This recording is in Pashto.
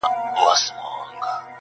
داسي حال په ژوند کي نه وو پر راغلی-